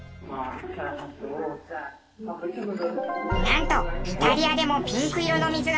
なんとイタリアでもピンク色の水が。